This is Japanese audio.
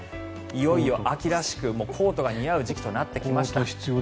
いよいよ秋らしくコートが似合う時期となりました。